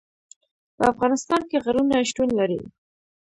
په افغانستان کې غرونه شتون لري.